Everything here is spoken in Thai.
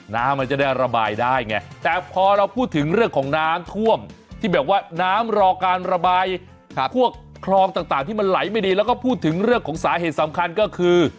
น้ำมันจะได้ระบายได้ไงแต่พอเราพูดถึงเรื่องของน้ำท่วมที่แบบว่าน้ำรอการระบายพวกคลองต่างที่มันไหลไม่ดีแล้วก็พูดถึงเรื่องของสาเหตุสำคัญก็คือ